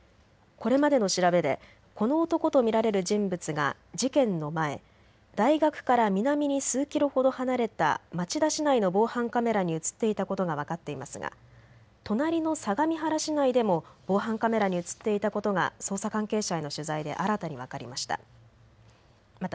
これまでの調べでこの男と見られる人物が事件の前、大学から南に数キロほど離れた町田市内の防犯カメラに写っていたことが分かっていますが隣の相模原市内でも防犯カメラに写っていたことが捜査関係者への取材で新たに分かりました。